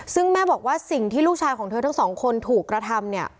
ซึ่งแม่บอกว่าสิ่งที่ลูกชายของเธอทั้งสองคนถูกกระทำเนี่ย